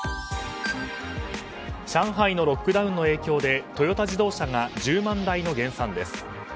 上海のロックダウンの影響でトヨタ自動車が１０万台の減産です。